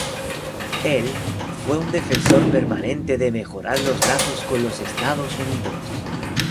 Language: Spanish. Él fue un defensor permanente de mejorar los lazos con los Estados Unidos.